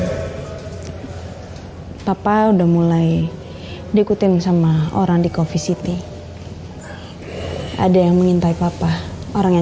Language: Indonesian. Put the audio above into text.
hai papa udah mulai diikuti sama orang di coffee city ada yang mengintai papa orang yang